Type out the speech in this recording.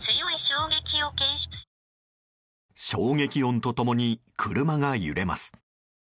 衝撃音と共に車が揺れます。